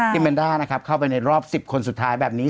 เมนด้านะครับเข้าไปในรอบ๑๐คนสุดท้ายแบบนี้